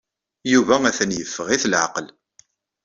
Yuba atan yeffeɣ-it leɛqel.